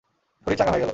শরীর চাঙ্গা হয়ে গেল।